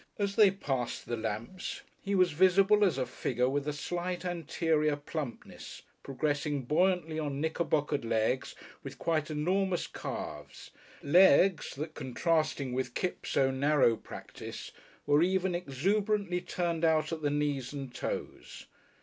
As they passed the lamps he was visible as a figure with a slight anterior plumpness, progressing buoyantly on knickerbockered legs, with quite enormous calves, legs that, contrasting with Kipps' own narrow practice, were even exuberantly turned out at the knees and toes.